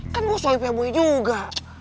kan gue soal ipa boy juga